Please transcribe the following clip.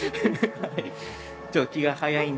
はい。